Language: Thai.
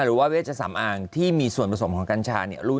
เวชสำอางที่มีส่วนผสมของกัญชาเนี่ย